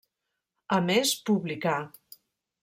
A més publicà.